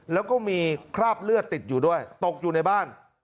แล้วก็มีคราบเลือดติดอยู่ด้วยตกอยู่ในบ้าน